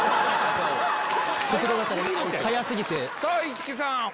さぁ市來さん。